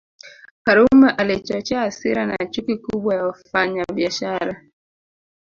Karume alichochea hasira na chuki kubwa ya wafanyabiashara